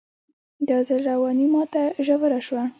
دا ځل رواني ماته ژوره شوه